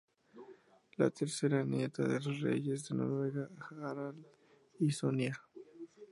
Es la tercera nieta de los reyes de Noruega, Harald y Sonia.